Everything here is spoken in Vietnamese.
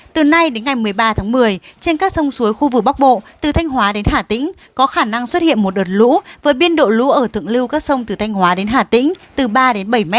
từ nay đến ngày một mươi ba tháng một mươi trên các sông suối khu vực bắc bộ từ thanh hóa đến hà tĩnh có khả năng xuất hiện một đợt lũ với biên độ lũ ở thượng lưu các sông từ thanh hóa đến hà tĩnh từ ba bảy m